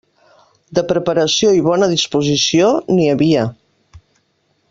De preparació i bona disposició n'hi havia.